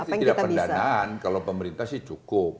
sebenarnya itu tidak pemberdanaan kalau pemerintah sih cukup